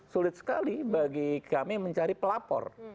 sulit sekali bagi kami mencari pelapor